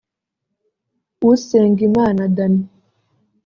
Usengimana Danny